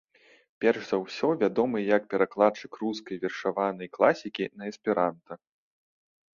Перш за ўсё вядомы як перакладчык рускай вершаванай класікі на эсперанта.